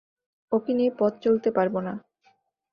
ওঁকে নিয়ে পথ চলতে পারব না।